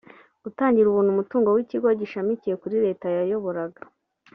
gutangira ubuntu umutungo w’ikigo gishamikiye kuri Leta yayoboraga